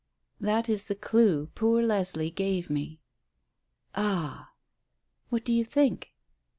"That is the clue poor Leslie gave me." "Ah!" "What do you think?"